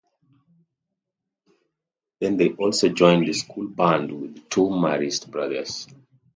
Then they also joined the school band with two Marist brothers.